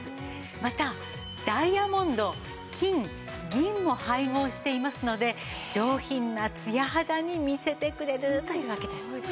またダイヤモンド金銀も配合していますので上品なツヤ肌に見せてくれるというわけです。